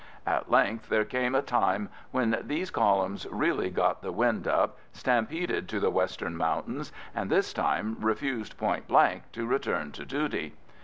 At length there came a time when these columns really got the wind up, stampeded to the western mountains, and this time refused point blank to return to duty.